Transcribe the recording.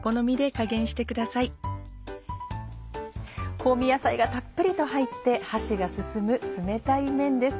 香味野菜がたっぷりと入って箸が進む冷たい麺です。